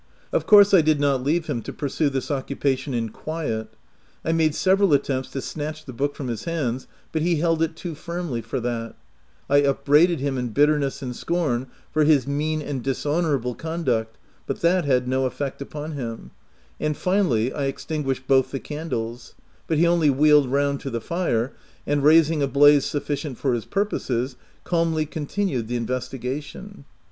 Of course I did not leave him to pursue this occupation in quiet : I made several attempts to snatch the book from his hands, but he held it too firmly for that ; I upbraided him in bit terness and scorn for his mean and dishonour able conduct, but that had no effect upon him ; and, finally, I extinguished both the candles, but he only wheeled round to the fire, and raising a blaze sufficient for his purposes, calmly continued the investigation.